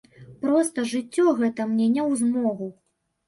Проста жыццё гэта мне не ў змогу.